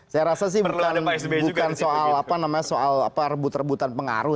saya rasa sih bukan soal apa namanya soal rebut rebutan pengaruh